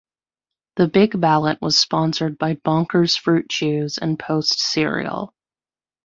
The Big Ballot was sponsored by Bonkers fruit chews and Post Cereal.